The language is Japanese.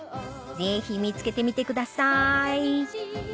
ぜひ見つけてみてください！